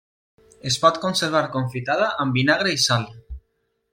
Es pot conservar confitada amb vinagre i sal.